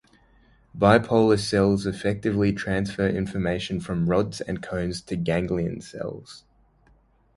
Bipolar cells effectively transfer information from rods and cones to ganglion cells.